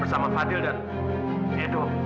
bersama fadil dan edo